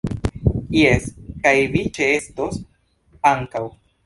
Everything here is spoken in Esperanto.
Jes, kaj vi ĉeestos ankaŭ